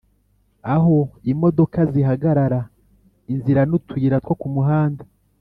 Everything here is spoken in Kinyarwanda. aho imodoka zihagarara, inzira n'utuyira two ku muhanda